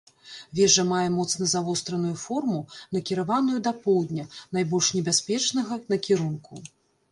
Вежа мае моцна завостраную форму, накіраваную да поўдня, найбольш небяспечнага накірунку.